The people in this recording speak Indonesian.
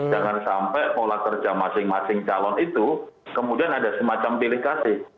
jangan sampai pola kerja masing masing calon itu kemudian ada semacam pilih kasih